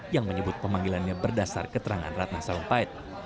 yang menyebut pemanggilannya berdasar keterangan ratna sarumpait